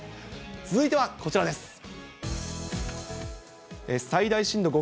続いてはこちらです。